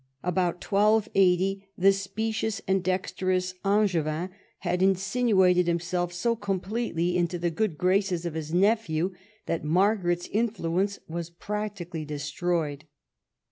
About 1280 the specious and dexterous Angevin had insinuated himself so completely into the good graces of his nephew that Margaret's influence was practically destroyed.